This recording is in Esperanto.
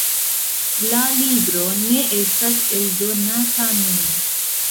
La libro ne estas eldonata nun.